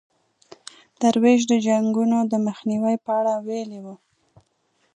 درویش د جنګونو د مخنیوي په اړه ویلي وو.